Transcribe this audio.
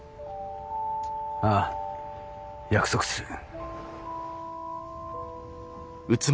ああ約束する。